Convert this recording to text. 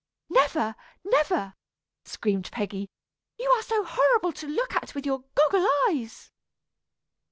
"Never, never," screamed Peggy; "you are so horrible to look at with your goggle eyes."